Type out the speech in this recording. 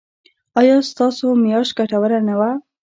ایا ستاسو میاشت ګټوره نه وه؟